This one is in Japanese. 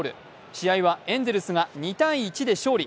試合はエンゼルスが２−１で勝利。